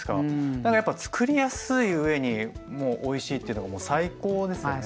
何かやっぱつくりやすい上にもうおいしいっていうのがもう最高ですよね。